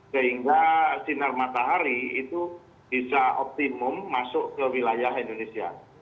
sehingga sinar matahari itu bisa optimum masuk ke wilayah indonesia